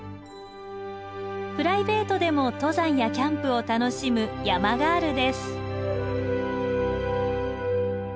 プライベートでも登山やキャンプを楽しむ山ガールです。